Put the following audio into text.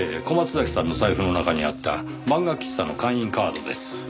小松崎さんの財布の中にあった漫画喫茶の会員カードです。